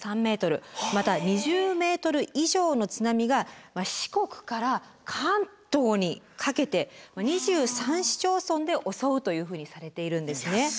また２０ｍ以上の津波が四国から関東にかけて２３市町村で襲うというふうにされているんですね。